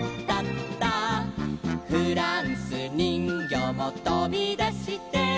「フランスにんぎょうもとびだして」